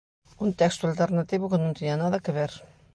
Un texto alternativo que non tiña nada que ver.